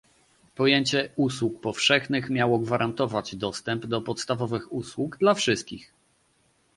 Pojęcie usług powszechnych miało gwarantować dostęp do podstawowych usług dla wszystkich